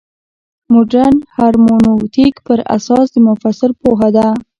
مډرن هرمنوتیک پر اساس د مفسر پوهه ده.